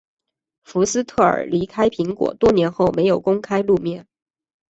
福斯特尔离开苹果多年后没有公开露面。